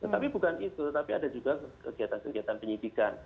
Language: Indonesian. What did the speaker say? tapi bukan itu tapi ada juga kegiatan kegiatan penyidikan